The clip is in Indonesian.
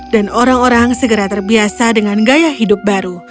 dan orang orang segera terbiasa dengan gaya hidup baru